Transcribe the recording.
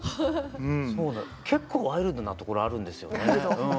そうなの結構ワイルドなところあるんですよねうん。